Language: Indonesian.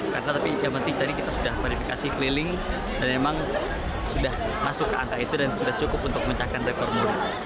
karena tapi yang penting tadi kita sudah verifikasi keliling dan memang sudah masuk ke angka itu dan sudah cukup untuk mencahkan rekor muri